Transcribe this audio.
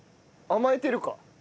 甘えてるか。